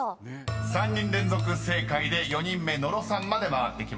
［３人連続正解で４人目野呂さんまで回ってきました］